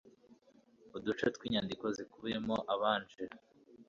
uduce tw inyandiko zibikubiyemo abanje